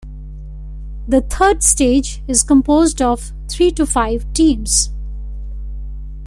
The third stage is composed of three to five teams.